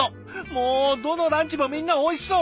もうどのランチもみんなおいしそう！